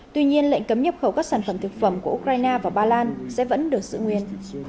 tuy nhiên lệnh cấm nhập khẩu các sản phẩm thực phẩm của ukraine và ba lan sẽ vẫn được giữ nguyên